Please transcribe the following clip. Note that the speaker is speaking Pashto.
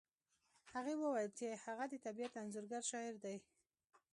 هغې وویل چې هغه د طبیعت انځورګر شاعر دی